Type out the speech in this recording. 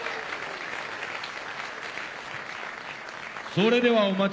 それではお待ち